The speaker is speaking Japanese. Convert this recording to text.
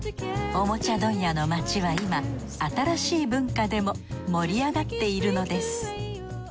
おもちゃ問屋の街は今新しい文化でも盛り上がっているのです。